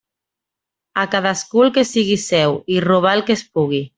A cadascú el que sigui seu, i robar el que es pugui.